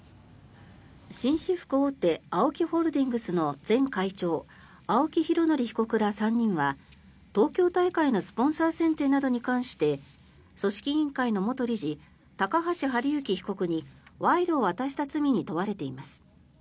紳士服大手ＡＯＫＩホールディングスの前会長、青木拡憲被告ら３人は東京大会のスポンサー選定などに関して組織委員会の元理事高橋治之被告に賄賂を渡した罪に問われています。